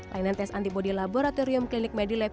layanan tes antibody laboratorium klinik medilab